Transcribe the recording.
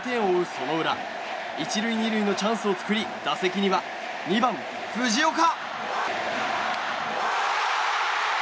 その裏１塁２塁のチャンスを作り打席には２番、藤岡。